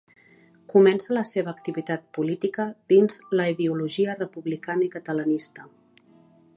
Comença la seva activitat política dins la ideologia republicana i catalanista.